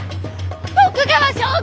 徳川将軍！